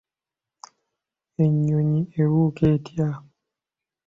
Ennyonyi ebuuka etya?